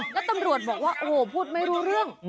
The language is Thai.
แล้วตำรวจบอกว่าโอ้โหพูดไม่รู้เรื่อง